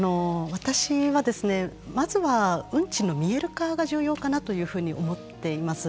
私は、まずは運賃の見える化が重要かなというふうに思っています。